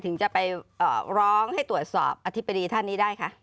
ถึงจะไปร้องให้ตรวจสอบอธิบดีท่านนี้ได้คะ